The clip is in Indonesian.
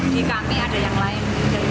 ini kami ada yang berumroh